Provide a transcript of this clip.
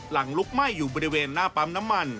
ลุกไหม้อยู่บริเวณหน้าปั๊มน้ำมัน